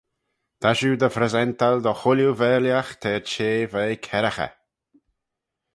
Ta shiu dy phresental dy chooilley vaarliagh t'er çhea veih kerraghey.